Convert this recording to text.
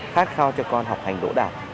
khát khao cho con học hành đỗ đạt